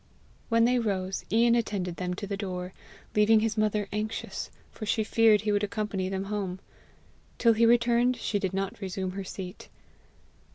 When they rose, Ian attended them to the door, leaving his mother anxious, for she feared he would accompany them home. Till he returned, she did not resume her seat.